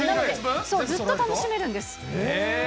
ずっと楽しめるんです。